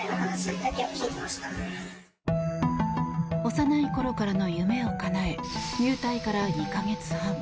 幼いころからの夢をかなえ入隊から２か月半。